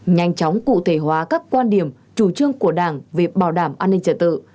nhanh chóng cụ thể hóa các quan điểm chủ trương của đảng về bảo đảm an ninh trả tự